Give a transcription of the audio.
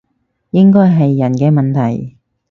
應該係人嘅問題